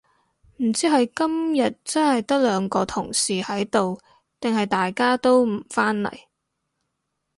唔知係今日真係得兩個同事喺度定係大家都唔返嚟